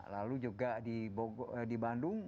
lalu juga di bandung